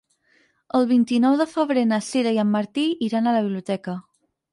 El vint-i-nou de febrer na Sira i en Martí iran a la biblioteca.